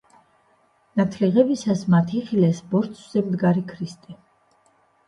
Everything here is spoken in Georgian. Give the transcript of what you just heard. ნათლისღებისას მათ იხილეს ბორცვზე მდგარი ქრისტე.